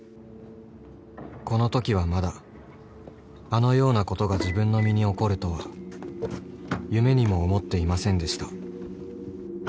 ［このときはまだあのようなことが自分の身に起こるとは夢にも思っていませんでした］